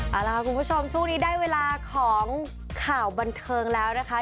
เอาล่ะคุณผู้ชมช่วงนี้ได้เวลาของข่าวบันเทิงแล้วนะคะ